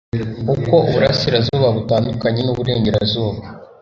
uko uburasirazuba butandukanye n’uburengerazuba